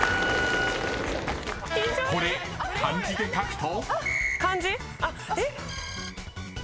［これ漢字で書くと？］